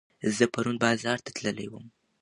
زه پرون بازار ته تللي وم